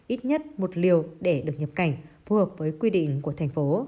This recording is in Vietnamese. ít nhất một liều để được nhập cảnh phù hợp với quy định của thành phố